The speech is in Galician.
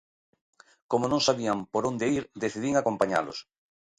Como non sabían por onde ir decidín acompañalos.